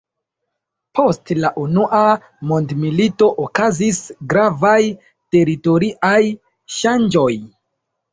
Post la unua mondmilito okazis gravaj teritoriaj ŝanĝoj.